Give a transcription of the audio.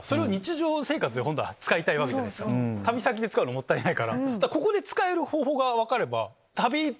旅先で使うのもったいないから。